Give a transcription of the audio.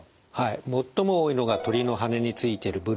最も多いのが鳥の羽根についているブルーム。